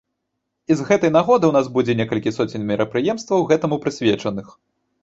І з гэтай нагоды ў нас будзе некалькі соцень мерапрыемстваў, гэтаму прысвечаных.